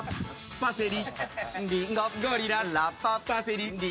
パセリ。